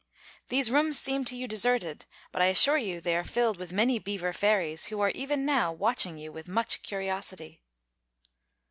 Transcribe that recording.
These rooms seem to you deserted, but I assure you they are filled with many beaver fairies, who are even now watching you with much curiosity."